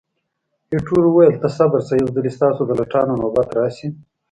ایټور وویل، ته صبر شه، یو ځلي ستاسو د لټانو نوبت راشي.